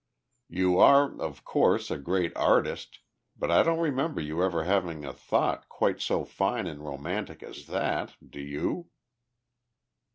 "You are, of course, a great artist; but I don't remember you ever having a thought quite so fine and romantic as that, do you?"